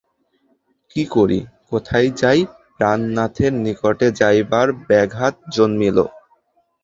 কি করি কোথায় যাই প্রাণনাথের নিকটে যাইবার ব্যাঘাত জন্মিল।